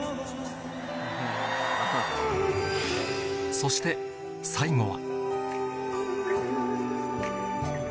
そして最後は